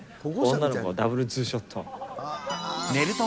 女の子がダブルツーショット。